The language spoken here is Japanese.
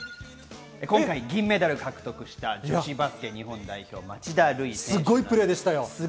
銀メダルを獲得した、女子バスケ日本代表の町田瑠唯選手です。